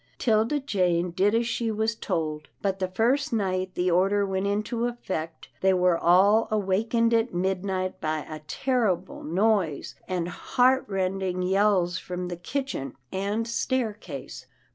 'Tilda Jane did as she was told, but the first night the order went into effect they were all 224 'TILDA JANE'S ORPHANS awakened at midnight by a terrible noise, and / heart rending yells from the kitchen and staircase.